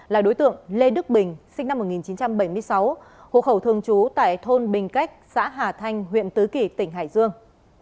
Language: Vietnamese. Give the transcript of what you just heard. là đối tượng lê đức bình sinh năm một nghìn chín trăm bảy mươi sáu hộ khẩu thường trú tại thôn bình cách xã hà thanh huyện tứ kỳ tỉnh hải dương